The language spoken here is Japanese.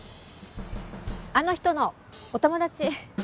あの人のお友達。